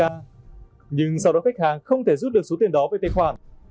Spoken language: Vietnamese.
nhưng sau đó khách hàng không thể rút được số tiền đó về tài khoản